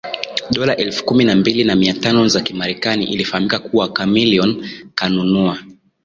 dola elfu kumi na mbili na mia tano za Kimarekani Ilifahamika kuwa Chameleone kanunua